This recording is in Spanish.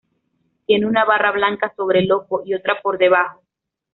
Tiene una barra blanca sobre el ojo y otra por debajo.